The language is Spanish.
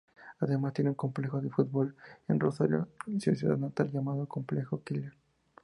Además, tiene un Complejo de Fútbol en Rosario, su ciudad natal, llamado Complejo Killer.